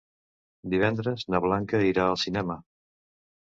Divendres na Blanca irà al cinema.